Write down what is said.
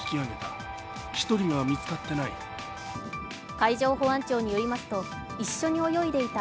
海上保安庁によりますと、一緒に泳いでいた